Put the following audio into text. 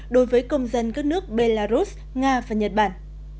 đối với công dân các nước belarus nga và nhật bản